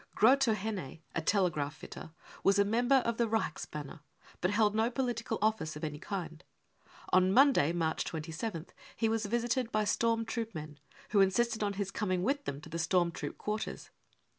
Grotohenne, a tele graph fitter, was a member of the Reichsbanner, but held f MURDER no political office of any kind. On Monday, March 27th, he was visited by storm troop men, who insisted on his coming with them to the storm troop quarters.